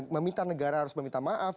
meminta negara harus meminta maaf